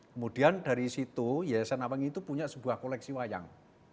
kemudian dari situ yayasan nawangi itu punya sebuah koleksi wayang